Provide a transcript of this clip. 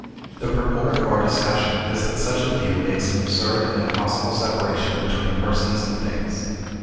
The purport of our discussion is that such a view makes an absurd and impossible separation between persons and things.